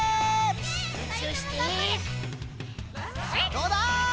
どうだ！？